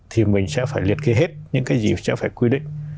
thì mình sẽ phải liệt kê hết những cái gì sẽ phải quy định